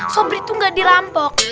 sobri tuh gak dirampok